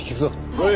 はい！